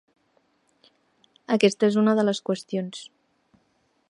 Aquesta és una de les qüestions.